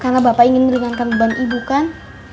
karena bapak ingin meringankan beban ibu kan